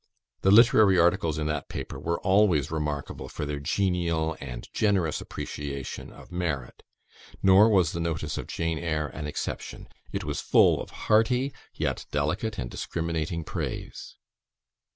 The literary articles in that paper were always remarkable for their genial and generous appreciation of merit nor was the notice of "Jane Eyre" an exception; it was full of hearty, yet delicate and discriminating praise.